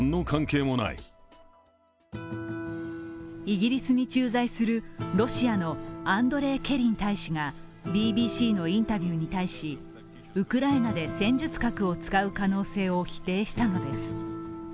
イギリスに駐在するロシアのアンドレイ・ケリン大使がＢＢＣのインタビューに対し、ウクライナで戦術核を使う可能性を否定したのです。